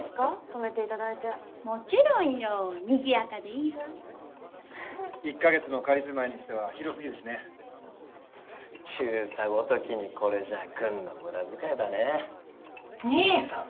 泊めていただいてもちろんよにぎやかでいいわ１カ月の仮住まいにしては広すぎるしね中佐ごときにこれじゃ軍の無駄遣いだね兄さん！